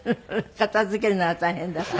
片付けるのが大変だから。